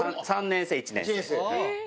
３年生１年生。